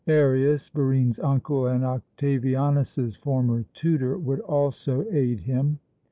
Arius, Barine's uncle and Octavianus's former tutor, would also aid him.